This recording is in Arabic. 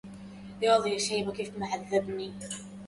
عبر البحر يؤم الأبحرا